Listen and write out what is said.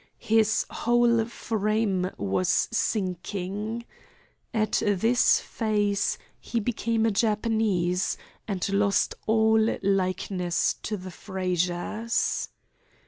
His whole frame was sinking. At this phase he became a Japanese, and lost all likeness to the Frazers.